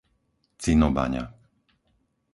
Cinobaňa